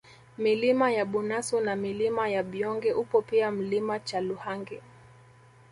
Milima ya Bunasu na Milima ya Byonge upo pia Mlima Chaluhangi